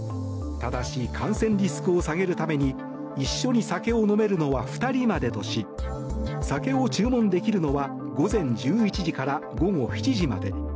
ただし感染リスクを下げるために一緒に酒を飲めるのは２人までとし酒を注文できるのは午前１１時から午後７時まで。